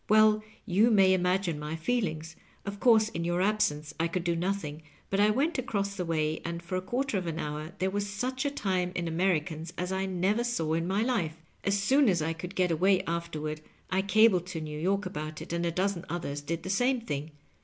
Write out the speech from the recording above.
"Well, you may imagine my feelings* Of course, in your absence I could do nothing, but I went across the way, and for a quarter of an hour there was such a time in Americans as I never saw in my Kfe. As soon as I could get away afterward I cabled to New York about it, and a dozen others did the same thing.